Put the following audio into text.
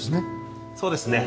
そうですね。